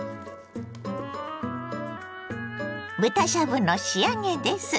豚しゃぶの仕上げです。